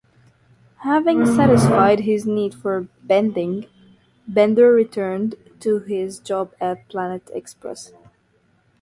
Having satisfied his need for bending, Bender returns to his job at Planet Express.